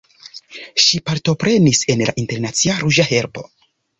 Ŝi partoprenis en Internacia Ruĝa Helpo.